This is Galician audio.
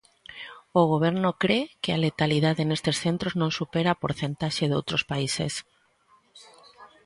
O Goberno cre que a letalidade nestes centros non supera a porcentaxe doutros países.